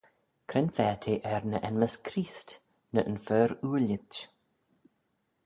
Cre'n fa t'eh er ny enmys Creest, ny yn fer-ooillit?